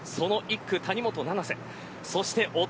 その１区、谷本七星。